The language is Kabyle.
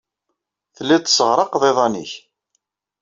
Tellid tesseɣraqed iḍan-nnek.